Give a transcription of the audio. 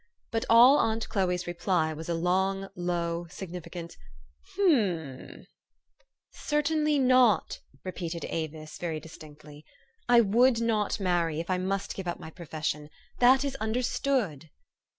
But all aunt Chloe's reply was a long, low, significant, "H u m ph!" " Certainly not," repeated Avis very distinctly. " I would not marry, if I must give up my profes sion. That is understood."